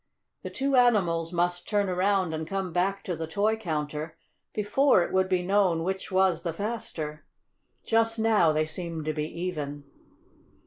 The two animals must turn around and come back to the toy counter before it would be known which was the faster. Just now they seemed to be even.